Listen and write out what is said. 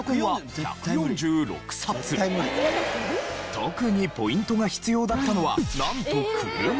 特にポイントが必要だったのはなんと車！